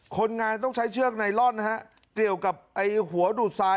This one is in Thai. คนงานต้องใช้เชือกไนลอนนะฮะเกี่ยวกับไอ้หัวดูดทราย